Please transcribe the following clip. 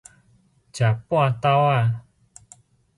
食半晝仔